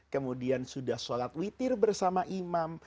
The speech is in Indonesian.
kemudian sudah sholat witir bersama imam